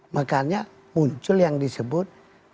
makanya muncul yang disebut